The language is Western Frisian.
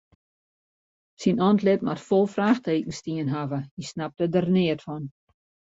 Syn antlit moat fol fraachtekens stien hawwe, hy snapte der neat fan.